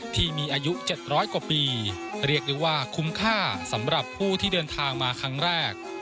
ที่มีอายุ๗๐๐กว่าปีเรียกได้ว่าคุ้มค่าสำหรับผู้ที่เดินทางมาครั้งแรก